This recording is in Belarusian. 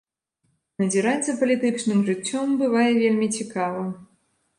Назіраць за палітычным жыццём бывае вельмі цікава.